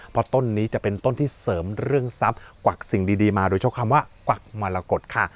เพราะต้นนี้จะเป็นต้นที่เสริมเรื่องทรัพย์กวักสิ่งดีมาโดยใช้คำว่ากวักมรกฏค่ะ